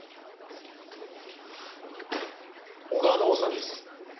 小川奈央さんです。